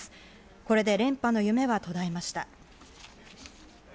これで連覇の夢は途絶えました。